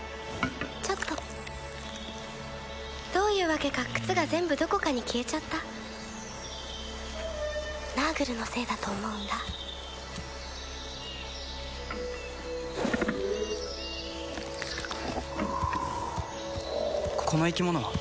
ちょっとどういうわけか靴が全部どこかに消えちゃったナーグルのせいだと思うんだこの生き物は？